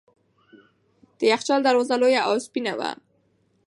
د یخچال دروازه لویه او سپینه وه.